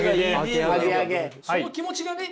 その気持ちがね